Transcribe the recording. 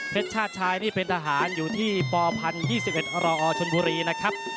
ชาติชายนี่เป็นทหารอยู่ที่ปพันธ์๒๑รอชนบุรีนะครับ